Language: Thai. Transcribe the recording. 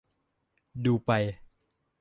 ดูไป